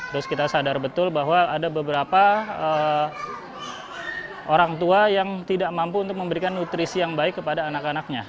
terus kita sadar betul bahwa ada beberapa orang tua yang tidak mampu untuk memberikan nutrisi yang baik kepada anak anaknya